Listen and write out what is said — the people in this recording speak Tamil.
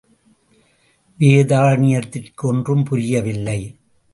வேதாரண்யத்திற்கு ஒன்றும் புரியவில்லை.